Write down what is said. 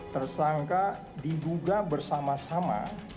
tersangka diguga bersama sama